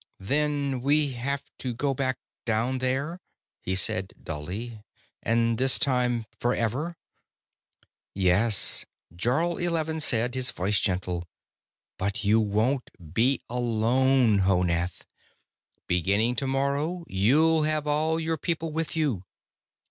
"Then we have to go back down there," he said dully. "And this time forever." "Yes," Jarl Eleven said, his voice gentle. "But you wont be alone, Honath. Beginning tomorrow, you'll have all your people with you."